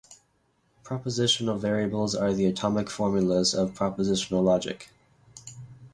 Propositional variables are the atomic formulas of propositional logic.